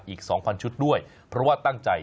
อีก๒๐๐ชุดด้วยเพราะว่าตั้งใจ